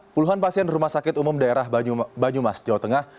puluhan pasien rumah sakit umum daerah banyumas jawa tengah